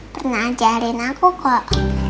pernah ajarin aku kok